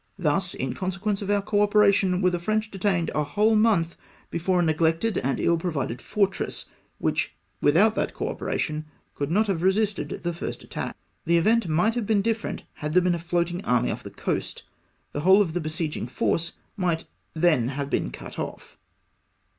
" Thus, in consequence of our cooperation, were the French detained a whole month before a neglected and ill provided fortress, which, without that cooperation, could not have re sisted the first attack. The event might have been different had there been a floating army off the coast — the whole of the besieging force might then have been cut off.